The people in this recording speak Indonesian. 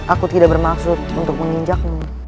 aku tidak bermaksud untuk menginjakmu